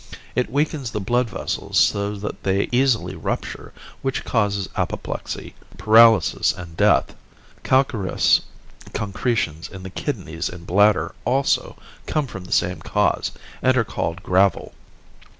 It weakens the blood vessels so that they easily rupture, which causes apoplexy, paralysis and death. Calcareous concretions in the kidneys and bladder, also, come from the same cause, and are called gravel.